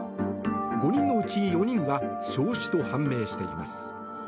５人のうち４人は焼死と判明しています。